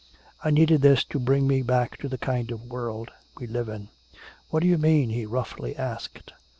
I needed this to bring me back to the kind of world we live in!" "What do you mean?" he roughly asked.